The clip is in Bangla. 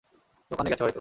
দোকানে গেছে হয়তো।